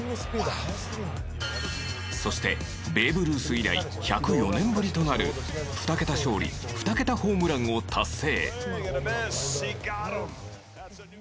そして、ベーブ・ルース以来１０４年ぶりとなる２桁勝利２桁ホームランを達成。